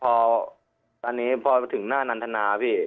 พอตอนนี้พอไปถึงหน้านันทนาพี่